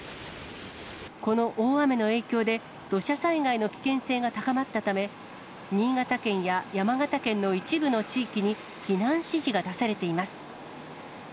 この大雨の影響で、土砂災害の危険性が高まったため、新潟県や山形県の一部の地域に避難指示が出されています。